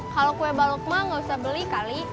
kalo kue balok mah gausah beli kali